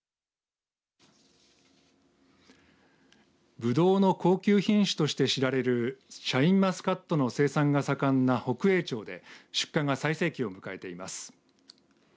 ぶどうの高級品種として知られるシャインマスカットの生産が盛んな北栄町で出荷が最盛期を迎えています。